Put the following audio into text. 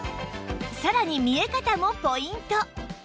さらに見え方もポイント